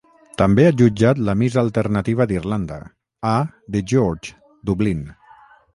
També ha jutjat la Miss Alternativa d'Irlanda, a The George, Dublín.